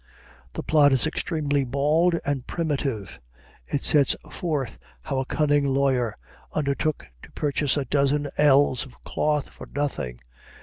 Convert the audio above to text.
The plot is extremely bald and primitive. It sets forth how a cunning lawyer undertook to purchase a dozen ells of cloth for nothing.